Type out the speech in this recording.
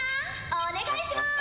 お願いします。